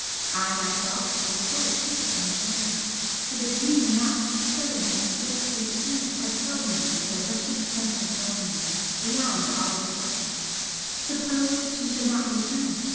I myself was full of secret anxiety for the 'Dream' yacht's sudden and swift disappearance had filled me with a wretched sense of loneliness beyond all expression. Suppose she should not return!